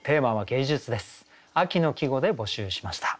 秋の季語で募集しました。